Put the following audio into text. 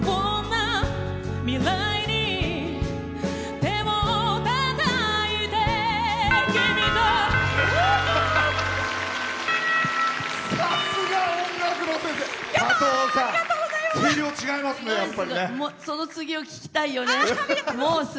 ありがとうございます。